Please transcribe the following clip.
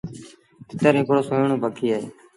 تتر هڪڙو سُهيٚڻون پکي اهي۔